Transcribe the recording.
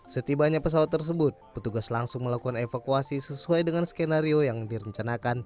setibanya pesawat tersebut petugas langsung melakukan evakuasi sesuai dengan skenario yang direncanakan